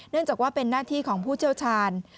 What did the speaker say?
จากว่าเป็นหน้าที่ของผู้เชี่ยวชาญ